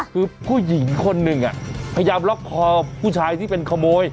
คือผู้หญิงคนหนึ่งพยายามล็อกคอผู้ชายที่เป็นขโมย